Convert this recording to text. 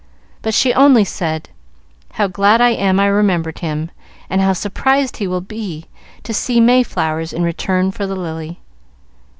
But she only said, "How glad I am I remembered him, and how surprised he will be to see mayflowers in return for the lily."